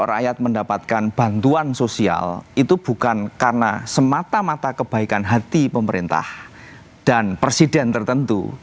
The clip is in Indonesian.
jadi kalau rakyat mendapatkan bantuan sosial itu bukan karena semata mata kebaikan hati pemerintah dan presiden tertentu